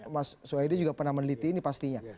mas soedi juga pernah meneliti ini pastinya